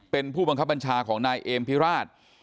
เป็นผู้บังคับบัญชาของนายเอมพิราช